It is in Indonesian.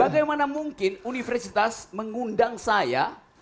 bagaimana mungkin universitas mengundang saya